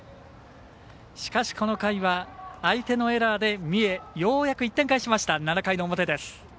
しかし、この回は相手のエラーで三重、ようやく１点返しました７回の表です。